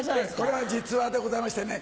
これは実話でございましてね。